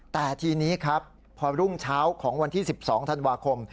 แต่ทีนี้ครับพอรุ่งเช้าของวันที่๑๒ธันวาคม